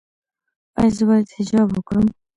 ایا زه باید حجاب وکړم؟